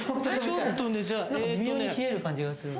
微妙に冷える感じがするのよ。